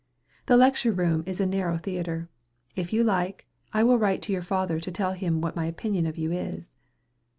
The lecture room is a narrow theatre. If you like, I will write to your father to tell him what my opinion of you is."